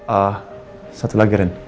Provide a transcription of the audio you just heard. ehh satu lagi ren